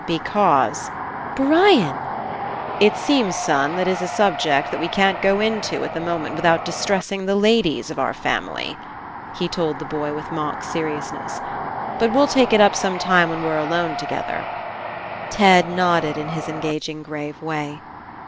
"Because —" "Brian!" "It seems, son, that is a subject we can't 190 FINALE go into at the moment without distressing the ladies of our family," he told the boy with mock seriousness, "but we'll take it up some time when we're alone together." Ted nodded in his engaging grave way.